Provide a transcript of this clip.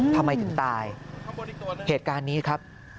ทำไมถึงตายเหตุการณ์นี้ครับ